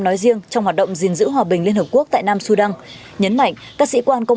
nói riêng trong hoạt động gìn giữ hòa bình liên hợp quốc tại nam sudan nhấn mạnh các sĩ quan công